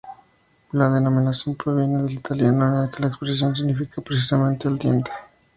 La denominación proviene del italiano, en el que la expresión significa, precisamente, ""al diente"".